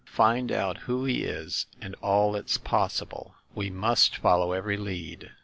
Find out who he is and all that's possible! We must follow every lead."